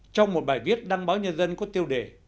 trong một bài viết đăng báo nhân dân có tiêu đề